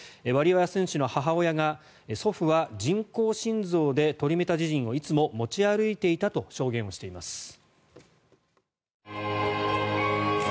ワリエワ選手の母親が祖父は人工心臓でトリメタジジンをいつも持ち歩いていたと証言をしています。